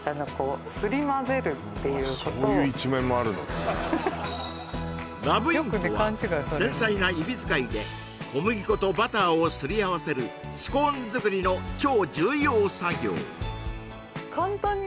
そういう一面もあるのねラブインとは繊細な指づかいで小麦粉とバターをすり合わせるスコーン作りの超重要作業結構ね